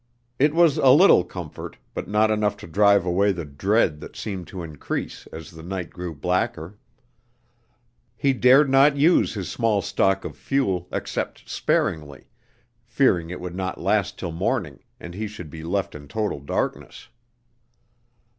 It was a little comfort, but not enough to drive away the dread that seemed to increase as the night grew blacker. He dared not use his small stock of fuel except sparingly, fearing it would not last till morning, and he should be left in total darkness.